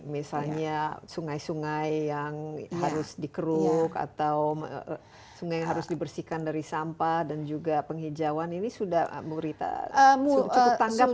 misalnya sungai sungai yang harus dikeruk atau sungai yang harus dibersihkan dari sampah dan juga penghijauan ini sudah bu rita cukup tanggap